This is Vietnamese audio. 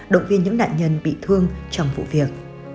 động viên những nạn nhân bị thương trong vụ việc